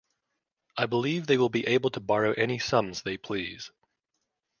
I believe they will be able to borrow any sums they please.